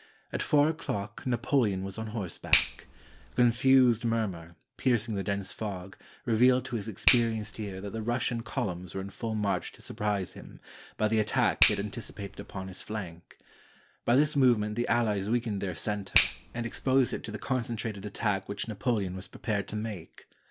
At four o'clock Napoleon was on horse back. A confused murmur, piercing the dense fog, re vealed to his experienced ear that the Russian columns were in full march to surprise him, by the attack he had anticipated upon his flank. By this movement the Allies weakened their center, and exposed it to the concen trated attack which Napoleon was prepared to make.